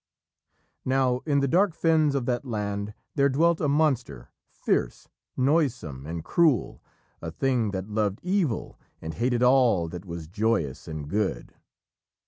Now, in the dark fens of that land there dwelt a monster fierce, noisome, and cruel, a thing that loved evil and hated all that was joyous and good.